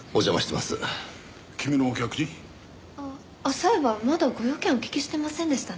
そういえばまだご用件お聞きしてませんでしたね。